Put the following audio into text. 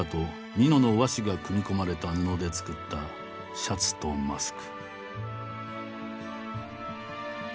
美濃の和紙が組み込まれた布で作ったシャツとマスク。